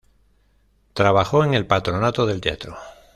Trabajó en el Patronato del Teatro.